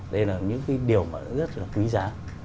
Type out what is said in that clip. đây là những cái điều rất là quý giá